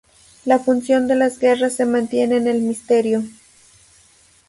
La función de las garras se mantiene en el misterio.